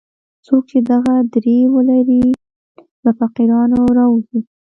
څوک چې دغه درې ولري له فقیرانو راووځي.